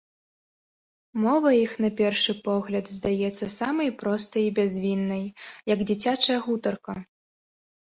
Мова іх на першы погляд здаецца самай простай і бязвіннай, як дзіцячая гутарка.